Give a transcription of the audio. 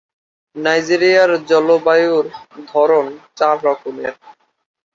নাইজেরিয়ার জলবায়ুর ধরন চার রকমের।